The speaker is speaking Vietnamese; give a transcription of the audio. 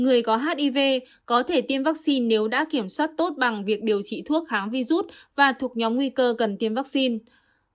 người có hiv có thể tiêm vaccine nếu đã kiểm soát tốt bằng việc điều trị thuốc kháng virus và thuộc nhóm nguy cơ cần tiêm vaccine